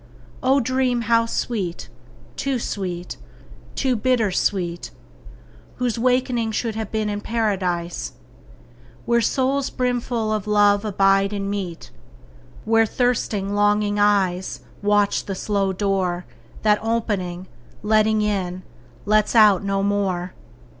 O dream how sweet, too sweet, too bitter sweet, Whose wakening should have been in Paradise, Where souls brimful of love abide and meet; Where thirsting longing eyes Watch the slow door That opening, letting in, lets out no more.